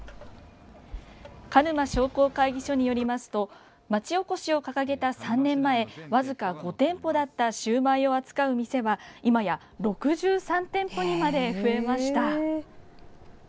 鹿沼商工会議所によりますと町おこしを掲げた３年前は僅か５店舗だったシューマイを扱う店は今や、６３店舗にまで増えました。